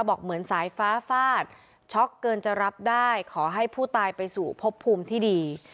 บอกเหมือนสายฟ้าฟาดช็อกเกินจะรับได้ขอให้ผู้ตายไปสู่พบภูมิที่ดี